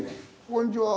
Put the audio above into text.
こんにちは。